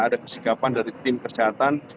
ada kesikapan dari tim kesehatan